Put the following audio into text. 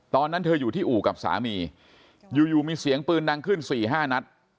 ตอนนั้นเธออยู่ที่อู่กับสามีอยู่มีเสียงปืนดังขึ้น๔๕นัด